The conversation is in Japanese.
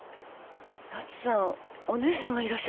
奈津さんお姉さんがいらっしゃったんですか？